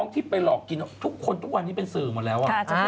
ทุกคนทุกวันนี้จะเป็นสื่อหมดแล้ว